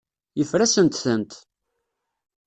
Yeffer-asent-tent.